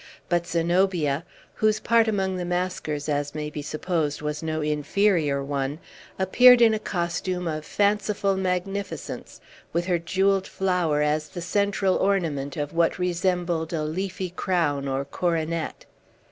But Zenobia (whose part among the maskers, as may be supposed, was no inferior one) appeared in a costume of fanciful magnificence, with her jewelled flower as the central ornament of what resembled a leafy crown, or coronet.